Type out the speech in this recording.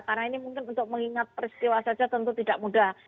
karena ini mungkin untuk mengingat peristiwa saja tentu tidak mudah